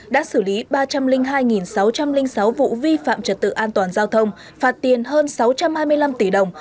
đã xử lý ba trăm linh hai sáu trăm linh sáu vụ vi phạm trật tự an toàn giao thông phạt tiền hơn sáu trăm hai mươi năm tỷ đồng